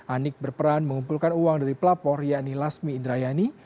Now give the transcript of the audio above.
anik berperan mengumpulkan uang dari pelapor yakni lasmi indrayani